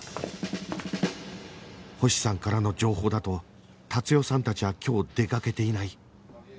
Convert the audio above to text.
星さんからの情報だと達代さんたちは今日出かけていない